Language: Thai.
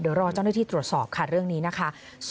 เดี๋ยวรอเจ้าหน้าที่ตรวจสอบค่ะเรื่องนี้นะคะ